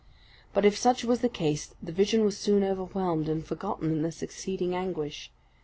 But if such was the case, the vision was soon overwhelmed and forgotten in the succeeding anguish.